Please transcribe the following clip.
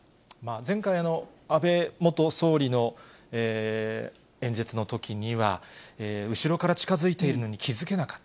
前回の安倍元総理の演説のときには、後ろから近付いているのに気付けなかった。